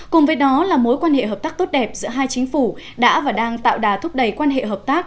cùng với đó là mối quan hệ hợp tác tốt đẹp giữa hai chính phủ đã và đang tạo đà thúc đẩy quan hệ hợp tác